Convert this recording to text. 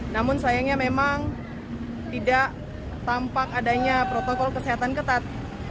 namun sayangnya memang tidak tampak adanya protokol kesehatan ketat